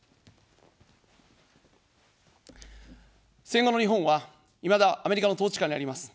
戦後の日本は、いまだアメリカの統治下にあります。